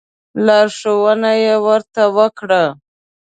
لارښوونه یې ورته وکړه.